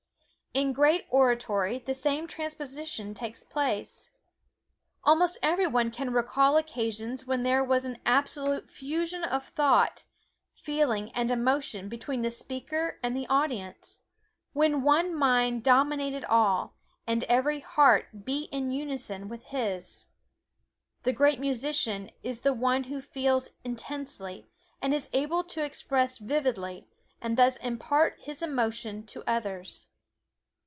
In great oratory the same transposition takes place. Almost every one can recall occasions when there was an absolute fusion of thought, feeling and emotion between the speaker and the audience when one mind dominated all, and every heart beat in unison with his. The great musician is the one who feels intensely, and is able to express vividly, and thus impart his emotion to others.